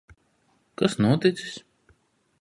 Kas noticis?